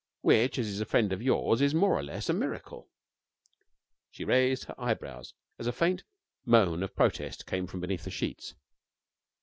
Which, as he's a friend of yours, is more or less of a miracle.' She raised her eyebrows as a faint moan of protest came from beneath the sheets.